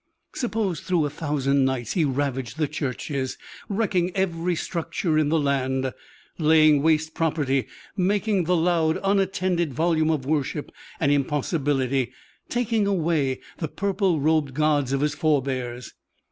Suppose through a thousand nights he ravaged the churches, wrecking every structure in the land, laying waste property, making the loud, unattended volume of worship an impossibility, taking away the purple robed gods of his forbears?